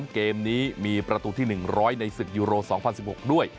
เกมนี้มีประตูที่๑๐๐ในศึกยูโร๒๐๑๖ด้วย